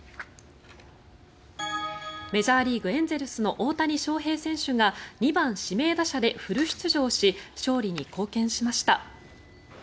メジャーリーグ、エンゼルスの大谷翔平選手が２番指名打者でフル出場し勝利に貢献しました。